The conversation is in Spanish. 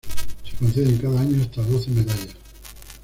Se conceden cada año hasta doce medallas.